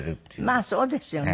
まあそうですよね。